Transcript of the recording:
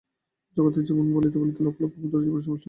জগতের জীবন বলিতে লক্ষ লক্ষ ক্ষুদ্র জীবনের সমষ্টিমাত্র বুঝায়।